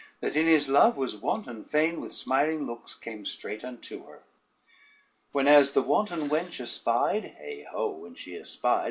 That in his love was wanton fain, with smiling looks straight came unto her. Whenas the wanton wench espied, heigh ho, when she espied!